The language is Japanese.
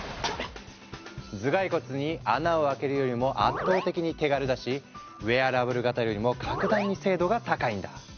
頭蓋骨に穴を開けるよりも圧倒的に手軽だしウェアラブル型よりも格段に精度が高いんだ。